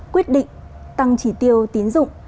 quyết định tăng chỉ tiêu tín dụng